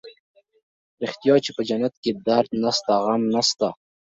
رښتيا چې په جنت کښې درد نسته غم نسته.